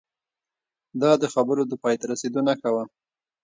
دا د خبرو د پای ته رسیدو نښه وه